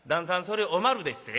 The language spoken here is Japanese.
それおまるでっせ」。